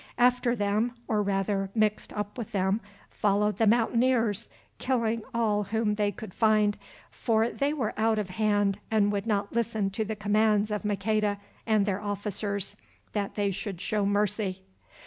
After them, or, rather, mixed up with them, followed the Mountaineers, killing all whom they could find, for they were out of hand and would not listen to the commands of Maqueda and their officers, that they should show mercy.